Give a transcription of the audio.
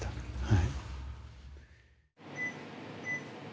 はい。